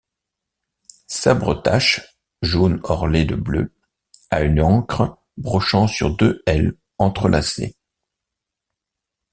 Sabretache jaune orlée de bleu à une ancre brochant sur deux L entrelacées.